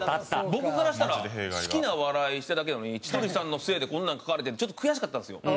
僕からしたら好きなお笑いしてるだけなのに千鳥さんのせいでこんなん書かれてちょっと悔しかったんですよ。